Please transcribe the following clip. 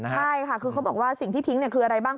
ใช่ค่ะคือเขาบอกว่าสิ่งที่ทิ้งคืออะไรบ้าง